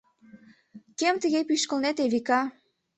Кӧм тыге пӱшкылнет, Эвика?